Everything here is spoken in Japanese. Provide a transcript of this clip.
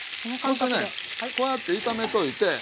そしてねこうやって炒めといて。